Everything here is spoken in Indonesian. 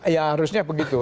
ya harusnya begitu